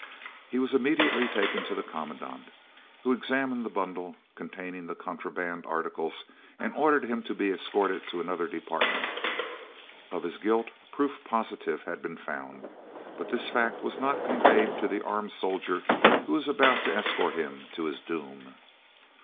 He was immediately taken to the Commandant, who examined the bundle containing the contraband articles, and ordered him to be escorted to another Department. Of his guilt, proof positive had been found, but this fact was not conveyed to the armed soldier who was about to escort him to his doom.